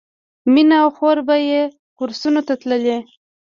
مینه او خور به یې کورسونو ته تللې